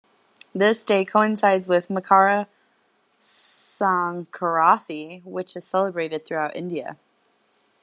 This day coincides with Makara Sankranthi which is celebrated throughout India.